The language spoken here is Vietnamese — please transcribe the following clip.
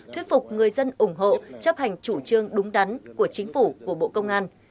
thuyết phục người dân ủng hộ chấp hành chủ trương đúng đắn của chính phủ của bộ công an